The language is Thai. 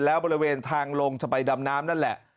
แล้วบริเวณทางลงจะไปดำน้ำนั่นแหละ